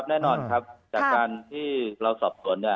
แน่นอนครับจากการที่เราสอบตน